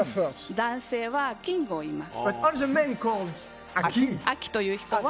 男性はキングを言います。